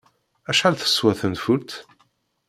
Acḥal teswa tenfult?